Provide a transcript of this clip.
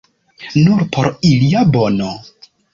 Nur por ilia bono.